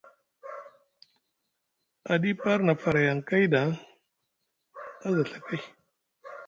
Aɗipar na faray aŋ kay ɗa a za Ɵa kay.